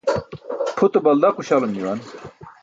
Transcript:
Pʰute balda quśalum juwan.